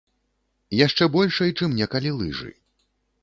Яшчэ большай, чым некалі лыжы.